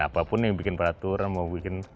apapun yang bikin peraturan mau bikin